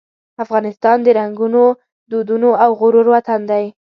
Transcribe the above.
افغانستان د رنګونو، دودونو او غرور وطن دی.